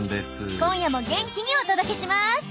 今夜も元気にお届けします！